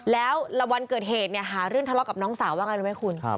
แล้ววันเกิดเหตุเนี่ยหาเรื่องทะเลาะกับน้องสาวว่าไงรู้ไหมคุณ